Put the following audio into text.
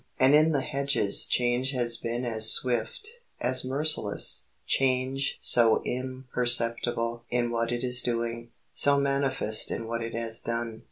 And in the hedges change has been as swift, as merciless change so imperceptible in what it is doing, so manifest in what it has done.